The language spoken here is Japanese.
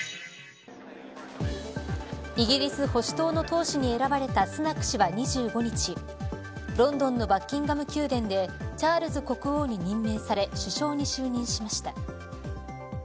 イギリス保守党の党首に選ばれたスナク氏は２５日ロンドンのバッキンガム宮殿でチャールズ国王に任命され首相に就任しました。